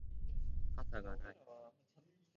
傘がない